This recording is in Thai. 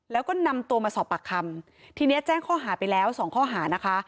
แล้วก็นำตัวมาสอบปากคำทีเนี้ยแจ้งข้อหาไปแล้วสองข้อหานะคะ